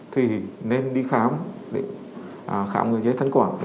thì nên đi khám khám người dây thanh quản